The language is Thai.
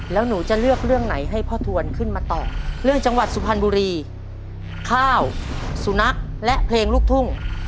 แล้วหนูจะเลือกเรื่องไหนให้พ่อทวนขึ้นมาต่อเรื่องจังหวัดสุพรรณบุรีข้าวสุนัขและเพลงลูกทุ่ง